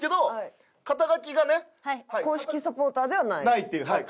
ないっていうはい。